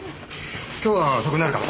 今日は遅くなるかも。